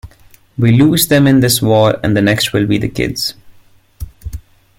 We lose them in this war and the next will be the kids.